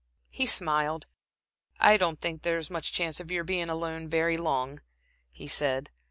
He smiled. "I don't think there's much chance of your being alone very long," he said.